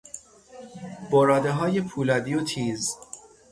برادههای پولادی و تیز